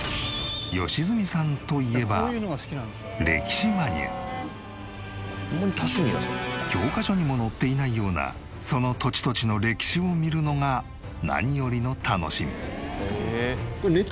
良純さんといえば教科書にも載っていないようなその土地土地の歴史を見るのが何よりの楽しみ。